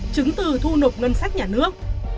chứng từ thu nộp ngân sách nhà nước